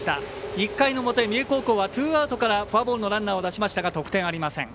１回の表、三重高校はフォアボールからランナーを出しましたが得点ありません。